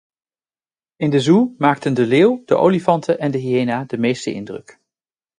In de zoo maakten de leeuw, de olifanten en de hyena de meeste indruk.